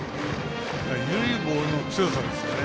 緩いボールの強さですよね。